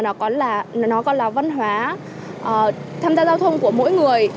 nó còn là văn hóa tham gia giao thông của mỗi người